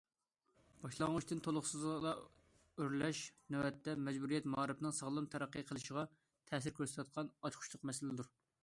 باشلانغۇچتىن تولۇقسىزغا ئۆرلەش نۆۋەتتە مەجبۇرىيەت مائارىپىنىڭ ساغلام تەرەققىي قىلىشىغا تەسىر كۆرسىتىۋاتقان ئاچقۇچلۇق مەسىلىدۇر.